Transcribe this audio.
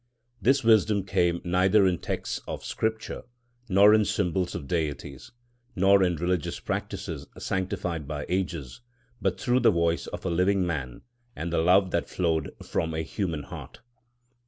This wisdom came, neither in texts of Scripture, nor in symbols of deities, nor in religious practices sanctified by ages, but through the voice of a living man and the love that flowed from a human heart.